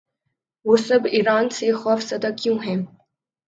وہ سب ایران سے خوف زدہ کیوں ہیں؟